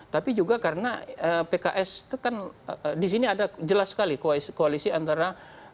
tapi juga karena pks itu kan di sini ada jelas sekali koalisi antara